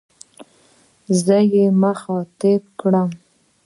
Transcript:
زه يې مخاطب کړم.